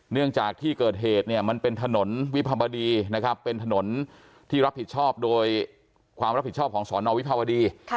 เนื่องจากที่เกิดเหตุเนี่ยมันเป็นถนนวิภาบดีนะครับเป็นถนนที่รับผิดชอบโดยความรับผิดชอบของสอนอวิภาวดี